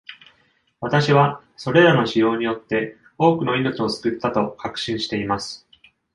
私はそれらの使用によって多くの命を救ったと確信しています。